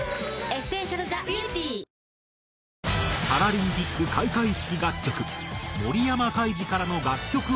パラリンピック開会式楽曲